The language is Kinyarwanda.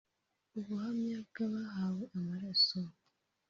ubuhamya bw’abahawe amaraso